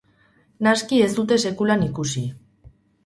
Naski ez dute sekulan ikusi.